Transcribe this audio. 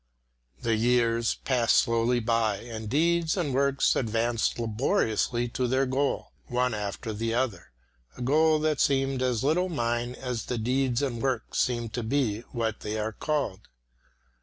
The years passed slowly by, and deeds and works advanced laboriously to their goal, one after the other a goal that seemed as little mine as the deeds and works seemed to be what they are called.